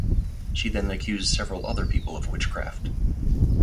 She then accused several other people of witchcraft.